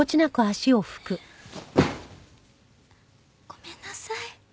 ごめんなさい。